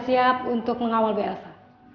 siap untuk mengawal bu elsa